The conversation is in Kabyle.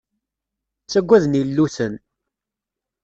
Ttagaden illuten.